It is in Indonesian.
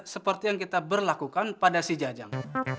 seperti yang kita berlakukan pada si jajang